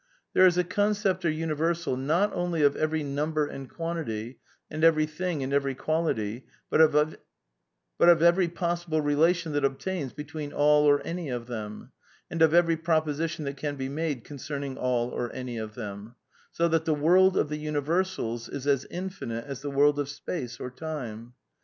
There is a concept or universal, not only of every num ber and quantity, and every thing and every quality, but of every possible relation that obtains between all or any of them ; and of every proposition that can be made concern ing all or any of tiiem ;'* so that the world of the univer j^^xsals is as infinite as the world of space or time.